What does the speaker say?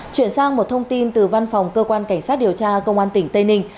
chuyển sang một thông tin từ văn phòng cơ quan cảnh sát điều tra công an tỉnh tây ninh